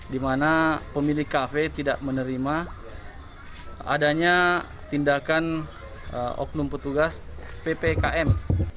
di mana pemilik kafe tidak menerima adanya tindakan oknum petugas ppkm